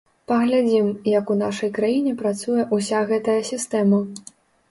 Паглядзім, як у нашай краіне працуе ўся гэтая сістэма.